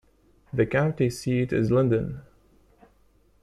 The county seat is Linden.